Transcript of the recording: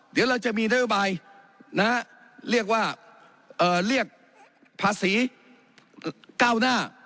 เดี๋ยวเราจะมีเนอร์บายนะฮะเรียกว่าเอ่อเรียกภาษีเก้าหน้า